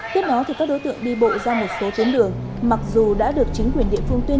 tiếp đó các đối tượng đi bộ ra một số tuyến đường mặc dù đã được chính quyền địa phương tuyên